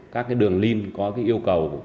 các đường link có yêu cầu